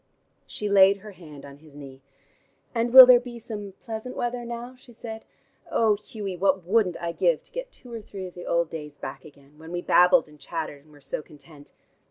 She laid her hand on his knee. "And will there be some pleasant weather now?" she said. "Oh, Hughie, what wouldn't I give to get two or three of the old days back again, when we babbled and chattered and were so content?"